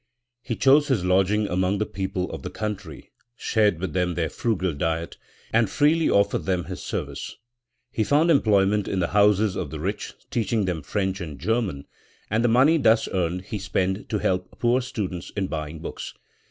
He chose his lodging among the people of the country, shared with them their frugal diet, and freely offered them his service. He found employment in the houses of the rich, teaching them French and German, and the money thus earned he spent to help poor students in buying books.